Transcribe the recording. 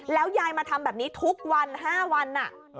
แล้วยายมาทำแบบนี้ทุกวัน๕วัน